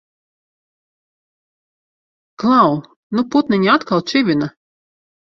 Klau! Nu putniņi atkal čivina!